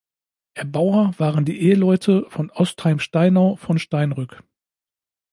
Erbauer waren die Eheleute von Ostheim-Steinau von Steinrück.